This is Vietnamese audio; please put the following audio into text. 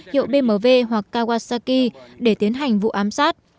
hiệu bmw hoặc kawasaki để tiến hành vụ ám sát